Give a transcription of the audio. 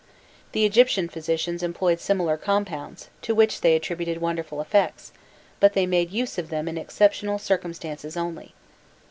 The Egyptian physicians employed similar compounds, to which they attributed wonderful effects, but they made use of them in exceptional circumstances only.